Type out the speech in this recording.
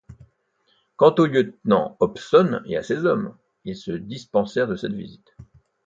Quant au lieutenant Hobson et à ses hommes, ils se dispensèrent de cette visite.